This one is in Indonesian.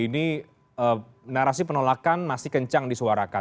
ini narasi penolakan masih kencang disuarakan